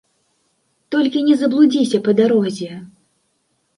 Толькі не заблудзіся па дарозе.